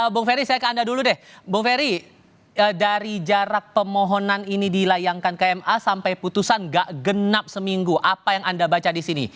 bung ferry saya ke anda dulu deh bung ferry dari jarak pemohonan ini dilayangkan ke ma sampai putusan gak genap seminggu apa yang anda baca di sini